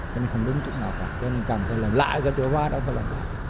cho nên không đứng chụp ngọt cho nên cầm thôi làm lại cái chỗ vá đó làm lại